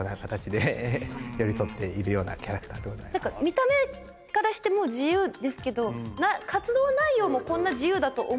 見た目からしてもう自由ですけど活動内容もこんな自由だと思ってなくて。